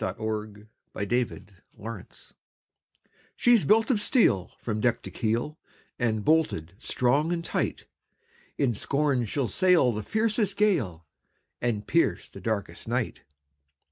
THE WORD OF AN ENGINEER "She's built of steel From deck to keel, And bolted strong and tight; In scorn she'll sail The fiercest gale, And pierce the darkest night.